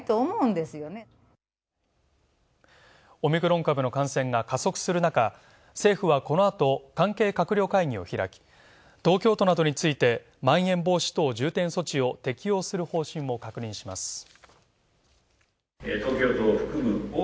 オミクロン株の感染が加速する中、政府はこの後、関係閣僚会議を開き、東京都などについてまん延防止等重点措置を適用する方針を確認します。